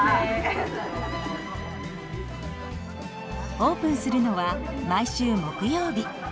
オープンするのは毎週木曜日。